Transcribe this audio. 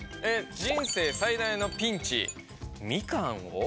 えっ人生最大のピンチみかんを？